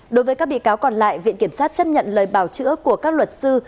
đối với các bị cáo còn lại viện kiểm sát chấp nhận lời bào chữa của các luật sư